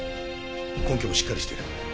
根拠もしっかりしている。